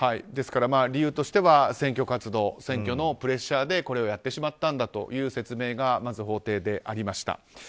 ですから理由としては選挙活動選挙のプレッシャーでこれをやってしまったという説明が法廷でありました。